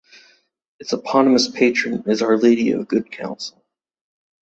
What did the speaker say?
Its eponymous patron is Our Lady of Good Counsel.